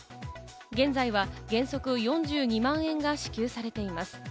現在は原則４２万円が支給されています。